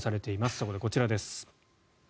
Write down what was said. そこでこちらです。